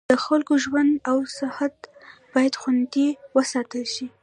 د خلکو ژوند او صحت باید خوندي وساتل شي.